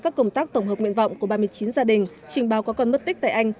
các công tác tổng hợp nguyện vọng của ba mươi chín gia đình trình báo có con mất tích tại anh